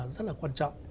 rất là quan trọng